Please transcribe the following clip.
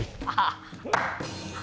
ああ！